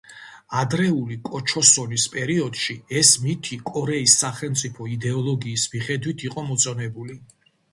ადრეული კოჩოსონის პერიოდში ეს მითი კორეის სახელმწიფო იდეოლოგიის მიხედვით იყო მოწონებული.